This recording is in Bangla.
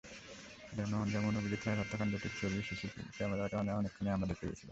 যেমন, অভিজিৎ রায়ের হত্যাকাণ্ডটির ছবিও সিসি ক্যামেরার কারণে অনেকখানি আমরা দেখতে পেয়েছিলাম।